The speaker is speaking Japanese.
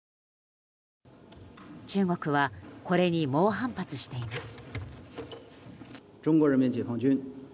中国はこれに猛反発しています。